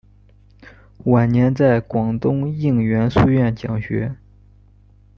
晚年在广东应元书院讲学。